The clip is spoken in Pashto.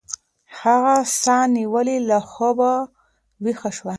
هغه ساه نیولې له خوبه ویښه شوه.